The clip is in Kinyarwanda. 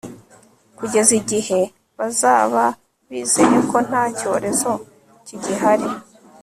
kugeza igihe bazaba bizeye ko nta cyorezo kigihari